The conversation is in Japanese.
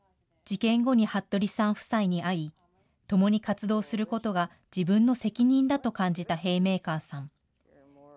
事件後に服部さん夫妻に会い、共に活動することが自分の責任だと感じたヘイメーカーさん。